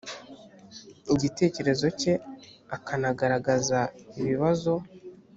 igitekerezo cye akanagaragaza ibibazo